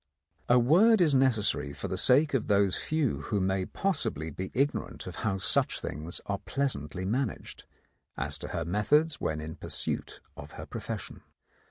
A word is necessary for the sake of those few who may possibly be ignorant of how such things are pleasantly managed, as to her methods when in pursuit of her profession.